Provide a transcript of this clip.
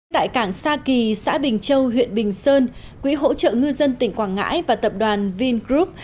tại cảng sa kỳ xã bình châu huyện bình sơn quỹ hỗ trợ ngư dân tỉnh quảng ngãi và tập đoàn vingroup